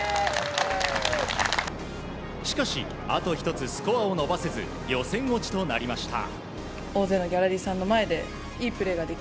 しかし、あと１つスコアを伸ばせず予選落ちとなりました。